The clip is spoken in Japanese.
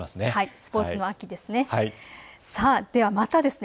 スポーツの秋ですね。